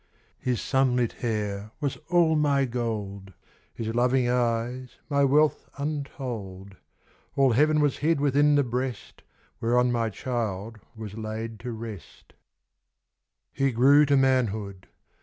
His sunlit hair was all my gold ; His loving eyes my wealth untold. All heaven was hid within the breast Whereon my child was laid to rest. 47 The Mother. He grew to manhood.